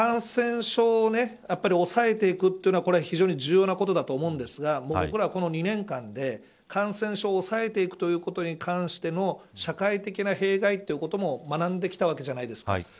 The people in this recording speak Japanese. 感染症を抑えていくのはこれは非常に重要なことだと思うんですが僕らこの２年間で感染症を抑えてくることに関しての社会的な弊害ということも学んできたわけじゃないですか。